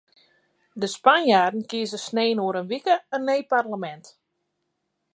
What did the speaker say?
De Spanjaarden kieze snein oer in wike in nij parlemint.